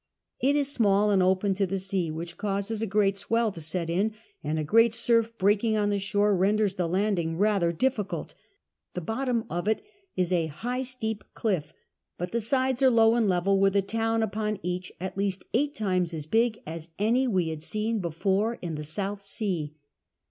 It is small and open to the sea, which causes a great swell to set in, and a great surf breaking on the shore renders the landing rather dilficult ; the liottiun of it is a high steep cliffy but the sides are low and level, with a town niion each, at least eight times as big as any we had seen before in the south sea.